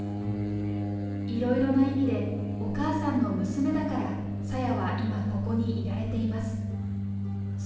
いろいろな意味でお母さんの娘だからサヤは今、ここにいられています。